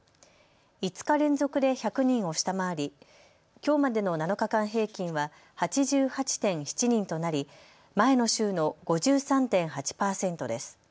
５日連続で１００人を下回りきょうまでの７日間平均は８８．７人となり前の週の５３．８％です。